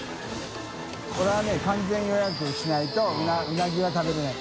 これはね完全予約しないとうなぎは食べれない。